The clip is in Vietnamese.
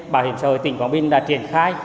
bảo hiểm xã hội tỉnh quảng bình đã triển khai